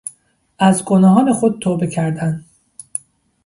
از گناهان خود توبه کردن